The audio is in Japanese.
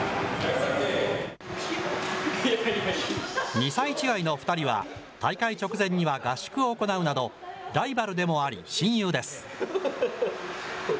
２歳違いの２人は、大会直前には合宿を行うなど、ライバルでもあり、親友です。